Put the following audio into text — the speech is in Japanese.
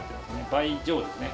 倍以上ですね。